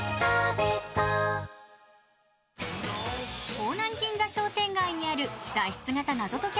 方南銀座商店街にある脱出型謎解き